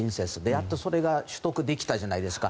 やっとそれが取得できたじゃないですか。